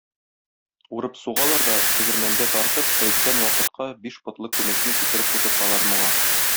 Урып сугалар да, тегермәндә тартып, әйткән вакытка биш потлы күмәчне китереп утырталар моңа.